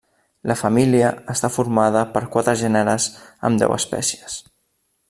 La família està formada per quatre gèneres amb deu espècies.